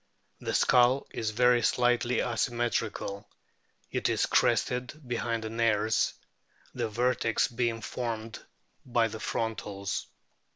The skull is very slightly asymmetrical ; it is crested behind the nares, the vertex being formed by the frontals.